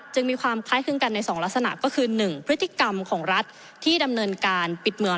มีความคล้ายคลึงกันใน๒ลักษณะก็คือ๑พฤติกรรมของรัฐที่ดำเนินการปิดเมือง